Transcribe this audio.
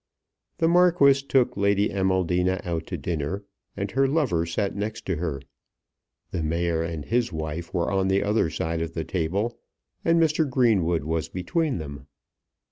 The Marquis took Lady Amaldina out to dinner and her lover sat next to her. The Mayor and his wife were on the other side of the table, and Mr. Greenwood was between them.